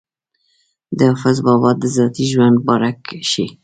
د حافظ بابا د ذاتي ژوند باره کښې